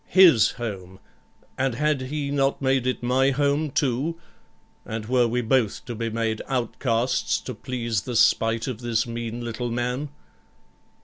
His home, and had he not made it my home too, and were we both to be made outcasts to please the spite of this mean little man?